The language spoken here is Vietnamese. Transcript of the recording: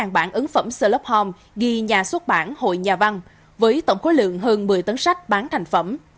chín bản ứng phẩm slop home ghi nhà xuất bản hội nhà văn với tổng khối lượng hơn một mươi tấn sách bán thành phẩm